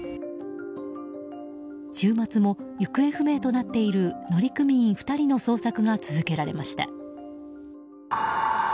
週末も、行方不明となっている乗組員２人の捜索が続けられました。